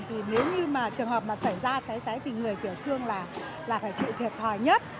thì nếu như trường hợp mà xảy ra cháy cháy thì người tiểu thương là phải chịu thiệt thòi nhất